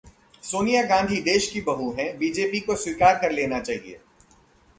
'सोनिया गांधी देश की बहू हैं, बीजेपी को स्वीकार कर लेना चाहिए'